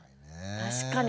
確かに。